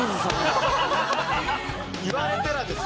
言われたらですね。